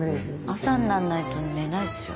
朝になんないと寝ないですよ